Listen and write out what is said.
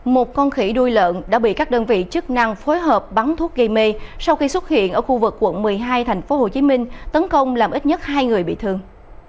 một con khỉ đuôi lợn đã bị các đơn vị chức năng phối hợp bắn thuốc gây mê sau khi xuất hiện ở khu vực quận một mươi hai tp hcm tấn công làm ít nhất hai người bị thương